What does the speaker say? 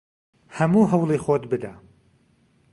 هەموو هەوڵی خۆت بدە!